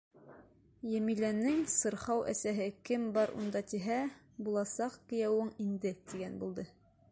Йәмиләнең сырхау әсәһе, кем бар унда, тиһә, буласаҡ кейәүең инде, тигән булды.